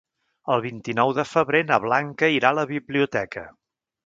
El vint-i-nou de febrer na Blanca irà a la biblioteca.